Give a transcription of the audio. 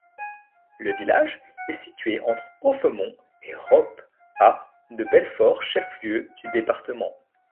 Le village est situé entre Offemont et Roppe, à de Belfort, chef-lieu du département.